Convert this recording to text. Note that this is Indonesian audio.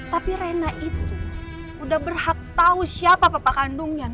tapi reina itu udah berhak tau siapa pepak kandungnya nno